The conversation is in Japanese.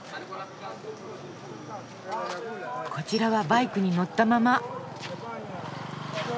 こちらはバイクに乗ったまま。